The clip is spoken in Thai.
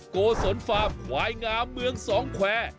โกศลฟาร์มควายงามเมืองสองแควร์